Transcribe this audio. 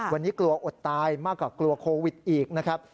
วันนี้กลัวอดตายมากกว่ากลัวโควิดอีกนะครับ